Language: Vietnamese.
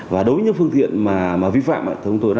và đối với những phương tiện mà vi phạm thì chúng tôi đã